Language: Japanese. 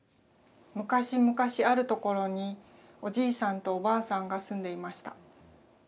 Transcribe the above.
昔々あるところにおじいさんとおばあさんが住んでいました。